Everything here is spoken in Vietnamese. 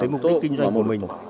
đi đến mục đích kinh doanh của mình